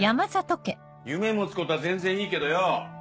夢持つことは全然いいけどよ。